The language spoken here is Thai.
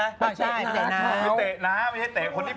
ไม่ใช่เตะน้า